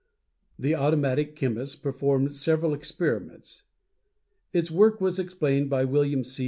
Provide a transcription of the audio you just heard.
The automatic chemist performed several experiments. Its work was explained by William C.